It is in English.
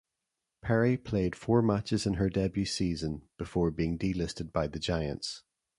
Perry played four matches in her debut season before being delisted by the Giants.